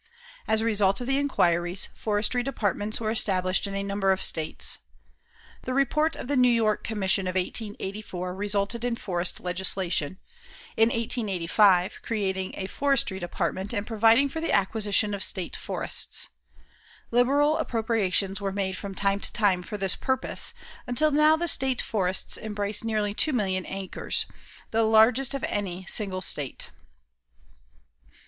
As a result of the inquiries, forestry departments were established in a number of states. The report of the New York Commission of 1884 resulted in forest legislation, in 1885, creating a forestry department and providing for the acquisition of state forests. Liberal appropriations were made from time to time for this purpose, until now the state forests embrace nearly 2,000,000 acres, the largest of any single state.